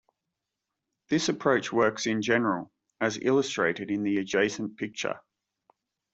This approach works in general, as illustrated in the adjacent picture.